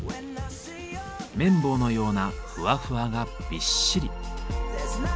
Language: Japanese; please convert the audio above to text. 綿棒のようなふわふわがびっしり。